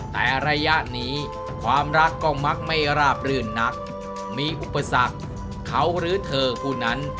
แต่ระยะนี้ความรักก็มักไม่ราบรื่นนักมีอุปสรรคเขาหรือเธอผู้นั้น